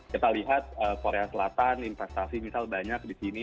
kita lihat korea selatan investasi misal banyak di sini